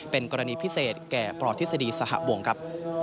เป็นกรณีพิเศษแก่ปอศศหวครับ